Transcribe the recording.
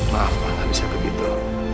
maaf nggak bisa begitu